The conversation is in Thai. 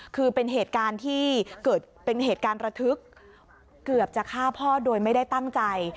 คือเป็นเหตุการณ์ที่เกิดเป็นเหตุการณ์ระทึกเกือบจะฆ่าพ่อโดยไม่ได้ตั้งใจ